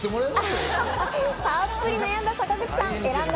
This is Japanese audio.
たっぷり悩んだ坂口さん。